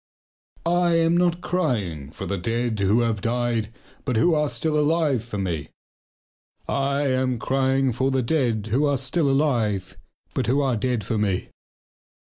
I am not crying for the dead who have died but who are still alive for me. I am crying for the dead who are still alive but who are dead for me.